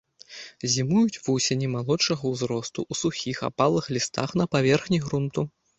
Зімуюць вусені малодшага ўзросту ў сухіх апалых лістах на паверхні грунту.